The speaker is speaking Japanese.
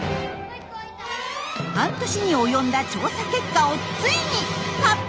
半年に及んだ調査結果をついに発表！